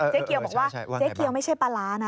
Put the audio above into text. เจ๊เกียวบอกว่าเจ๊เกียวไม่ใช่ปลาร้านะ